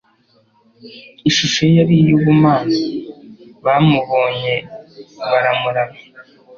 ishusho ye yari iy'ubumana, bamubonye baramuramya.